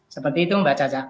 seperti itu mbak caca